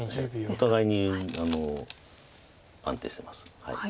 お互いに安定してます。